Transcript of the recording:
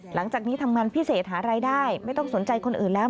หลังจากนี้ทำงานพิเศษหารายได้ไม่ต้องสนใจคนอื่นแล้ว